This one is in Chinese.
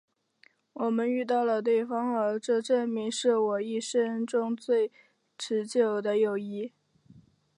我们遇到了对方而这证明是我一生中最持久的友谊。